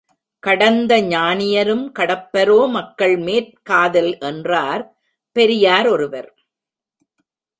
கடந்த ஞானியரும் கடப்பரோ மக்கள் மேற் காதல் என்றார் பெரியார் ஒருவர்.